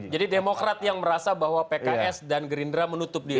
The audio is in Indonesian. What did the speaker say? jadi demokrat yang merasa bahwa pks dan gerindra menutup diri